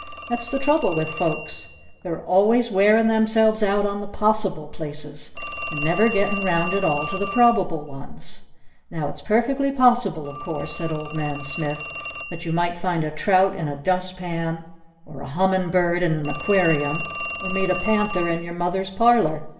That's the trouble with folks! They're always wearin' themselves out on the Possible Places and never gettin' round at all to the Probable ones! Now, it's perfectly possible, of course," said Old Man Smith, "that you might find a trout in a dust pan or a hummin' bird in an Aquarium or meet a panther in your Mother's parlor!